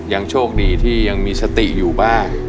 ยังโชคดีที่ยังมีสติอยู่บ้าง